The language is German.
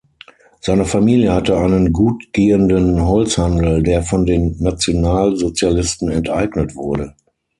Seine Familie hatte einen gut gehenden Holzhandel, der von den Nationalsozialisten enteignet wurde.